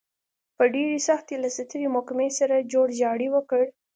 په ډېرې سختۍ له سترې محکمې سره جوړجاړی وکړ.